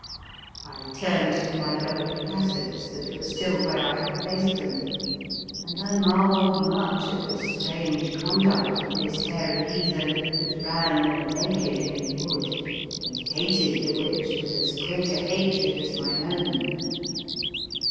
I turned to my gold platters, that were still where I had placed them, and I marvelled much at the strange conduct of this hairy heathen that ran all naked in the wood, and hated the witch with as great a hatred as mine own.